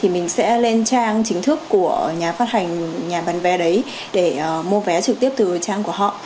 mình sẽ lên trang chính thức của nhà phát hành nhà bán vé đấy để mua vé trực tiếp từ trang của họ